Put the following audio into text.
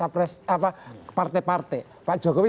partai partai pak jokowi